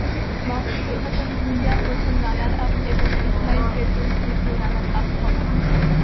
মাহফুজুল হাসান ভূঁইয়া প্রথম রানারআপ এবং ইসমাঈল ফেরদৌস দ্বিতীয় রানারআপ হন।